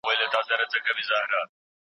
استاد وویل چي تل رښتیا ووایه.